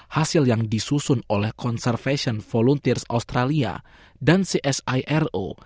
hasil yang disusun oleh conservation volunteers australia dan csiro